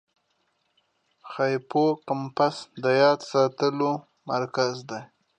هیپوکمپس د یاد ساتلو مرکز دی.